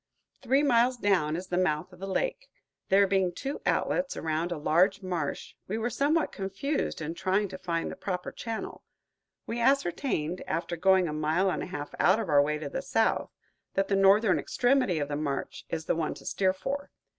Three miles down is the mouth of the lake. There being two outlets around a large marsh, we were somewhat confused in trying to find the proper channel. We ascertained, after going a mile and a half out of our way to the south, that the northern extremity of the marsh is the one to steer for.